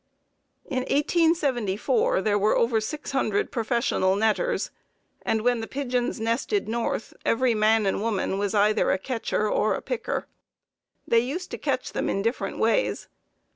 In 1874 there were over six hundred professional netters, and when the pigeons nested north, every man and woman was either a catcher or a picker. They used to catch them in different ways.